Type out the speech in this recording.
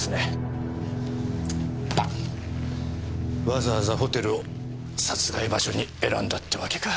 わざわざホテルを殺害場所に選んだってわけか。